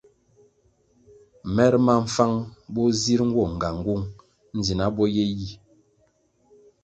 Mer ma mfang bo zir nwo ngangung ndzina bo ye yi.